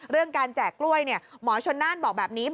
เรื่องการแจกล้วยเนี่ยหมอชนน่านบอกแบบนี้